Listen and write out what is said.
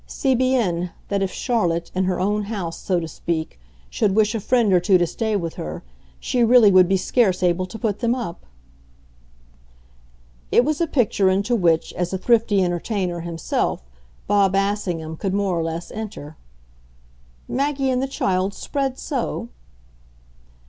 Si bien that if Charlotte, in her own house, so to speak, should wish a friend or two to stay with her, she really would be scarce able to put them up." It was a picture into which, as a thrifty entertainer himself, Bob Assingham could more or less enter. "Maggie and the child spread so?"